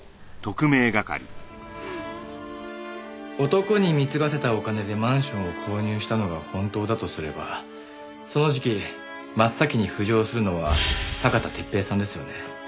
男に貢がせたお金でマンションを購入したのが本当だとすればその時期真っ先に浮上するのは酒田鉄平さんですよね。